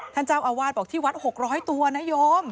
ท่านเจ้าอาวาสบอกที่วัด๖๐๐ตัวนะโยม